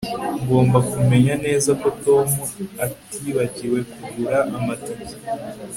Ngomba kumenya neza ko Tom atibagiwe kugura amatike